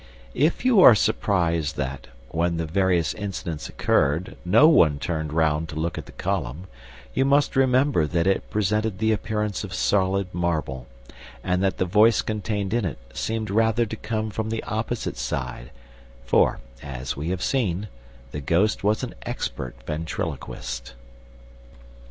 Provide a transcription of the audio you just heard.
If you are surprised that, when the various incidents occurred, no one turned round to look at the column, you must remember that it presented the appearance of solid marble, and that the voice contained in it seemed rather to come from the opposite side, for, as we have seen, the ghost was an expert ventriloquist.